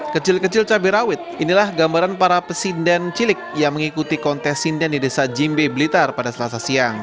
kecil kecil cabai rawit inilah gambaran para pesinden cilik yang mengikuti kontes sinden di desa jimbe blitar pada selasa siang